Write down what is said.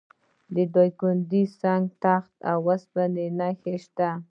د دایکنډي په سنګ تخت کې د وسپنې نښې شته.